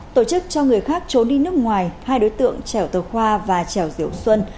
tổ chức cho người khác trốn đi nước ngoài hai đối tượng trẻo tờ khoa và trẻo diếu xuân